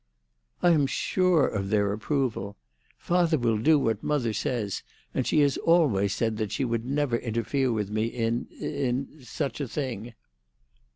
"I am sure of their approval. Father will do what mother says, and she has always said that she would never interfere with me in—in—such a thing."